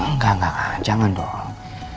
enggak enggak jangan dong